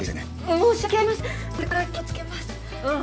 申し訳ありません！